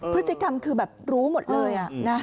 พฤติกรรมรู้หมดเลย